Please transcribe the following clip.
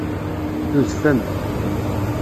Tudfem.